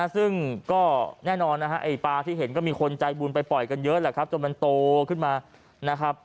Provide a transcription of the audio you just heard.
ซึ่งก็แน่นอนนะฮะไอ้ปลาที่เห็นก็มีคนใจบุญไปปล่อยกันเยอะแหละครับจนมันโตขึ้นมานะครับ